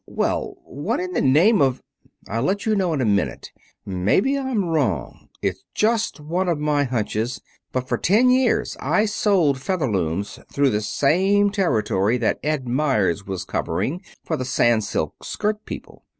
"Well, what in the name of " "I'll let you know in a minute. Maybe I'm wrong. It's just one of my hunches. But for ten years I sold Featherlooms through the same territory that Ed Meyers was covering for the Sans Silk Skirt people.